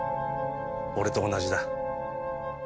俺と同じだ。